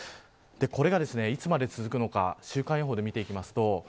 これがいつまで続くのか週間予報で見ていきます。